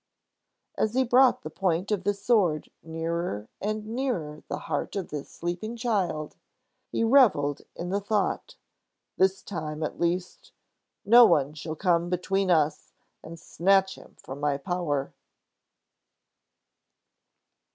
As he brought the point of the sword nearer and nearer the heart of the sleeping child, he reveled in the thought: "This time, at least, no one shall come between us and snatch him from my power."